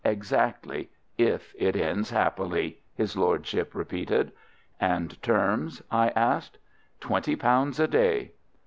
"Exactly; if it ends happily," his lordship repeated. "And terms?" I asked. "Twenty pounds a day."